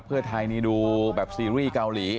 เพื่อไทยนี่ดูแบบซีรีส์เกาหลี